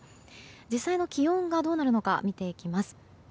実際の気温がどうなるのか見ていきます。